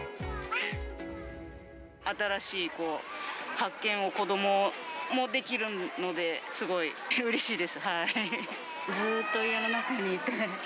新しい発見を子どももできるので、すごいうれしいです。